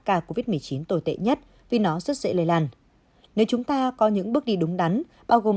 ca covid một mươi chín tồi tệ nhất vì nó rất dễ lây lan nếu chúng ta có những bước đi đúng đắn bao gồm